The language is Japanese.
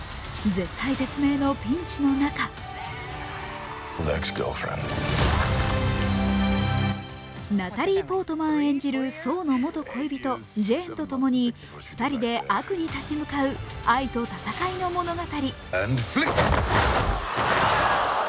絶体絶命のピンチの中ナタリー・ポートマン演じるソーの元恋人、ジェーンと共に２人で悪に立ち向かう愛と戦いの物語。